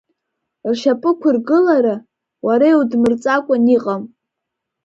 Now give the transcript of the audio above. Ршьапықәыргылара уара иудрымҵакәан иҟам?